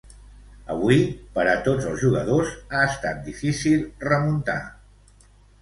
Avui, per a tots els jugadors, ha estat difícil remuntar.